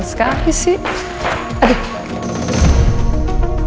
tidak ada yang bisa dikawal